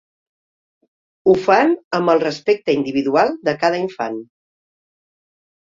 Ho fan amb el respecte individual de cada infant.